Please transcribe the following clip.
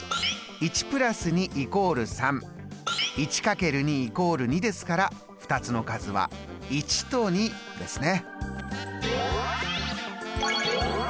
１＋２＝３１×２＝２ですから２つの数は１と２ですね。